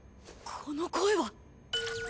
この声は！